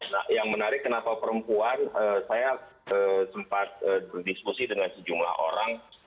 nah yang menarik kenapa perempuan saya sempat berdiskusi dengan sejumlah orang